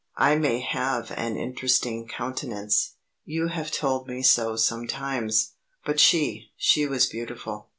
I may have an interesting countenance; you have told me so sometimes; but she she was beautiful.